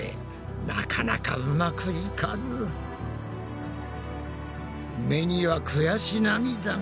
なかなかうまくいかず目には悔し涙が。